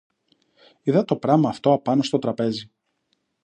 Είδα το πράμα αυτό απάνω στο τραπέζι